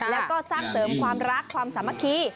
แล้วก็สร้างเสริมความรักความสามัคคี